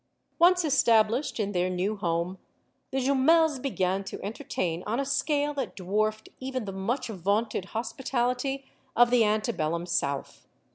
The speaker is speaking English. Once established in their new home, the Jumels began to entertain on a scale that dwarfed even the much vaunted hospitality of the ante bellum South.